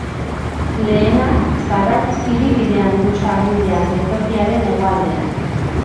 Lehenak Zarautz hiribidean du sarbidea, geltokiaren hegoaldean.